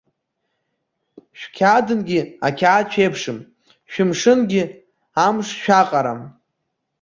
Шәқьаадынгьы, ақьаад шәеиԥшым, шәымшынгьы, амш шәаҟарам!